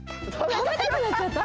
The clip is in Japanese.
たべたくなっちゃった？